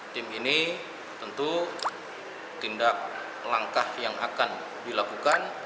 tim ini tentu tindak langkah yang akan dilakukan